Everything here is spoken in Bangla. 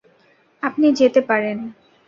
আপনি যেতে পারেন।